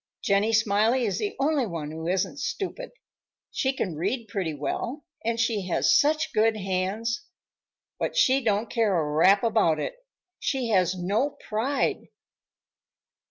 "Jenny Smiley is the only one who isn't stupid. She can read pretty well, and she has such good hands. But she don't care a rap about it. She has no pride."